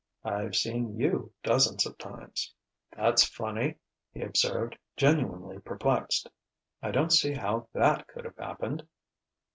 "I've seen you dozens of times." "That's funny!" he observed, genuinely perplexed. "I don't see how that could have happened